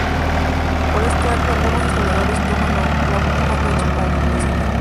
Por este acto algunos historiadores toman la última fecha como fundacional.